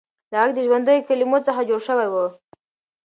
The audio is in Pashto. دا غږ د ژوندیو کلمو څخه جوړ شوی و.